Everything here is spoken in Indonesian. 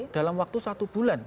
dalam waktu satu bulan